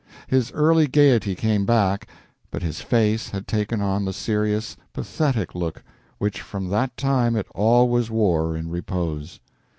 His early gaiety came back, but his face had taken on the serious, pathetic look which from that time it always wore in repose.